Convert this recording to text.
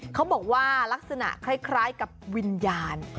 เขาบอกว่าลักษณะคล้ายกับวิญญาณ